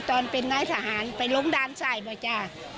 ตอนเป็นน้ายทหารไปลงด้านไส่ป่ะจ้ะ